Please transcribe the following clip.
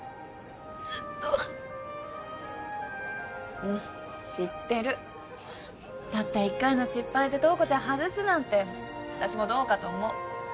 ずっとうん知ってるたった一回の失敗で塔子ちゃん外すなんて私もどうかと思う